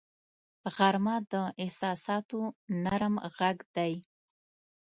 غرمه د احساساتو نرم غږ دی